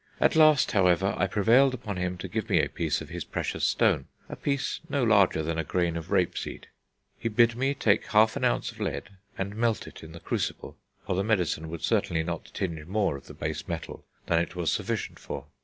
At last, however, I prevailed upon him to give me a piece of his precious stone a piece no larger than a grain of rape seed.... He bid me take half an ounce of lead ... and melt it in the crucible; for the Medicine would certainly not tinge more of the base metal than it was sufficient for....